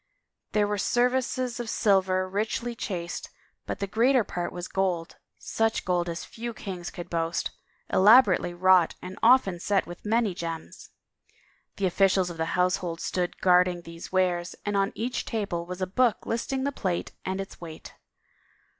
There were services of silver, richly chased, but the greater part was gold, such gold as few kings could boast, elaborately wrought and often set with many gems. The officials of the household stood guard ing these wares and on each table was a book listing the plate and its weight.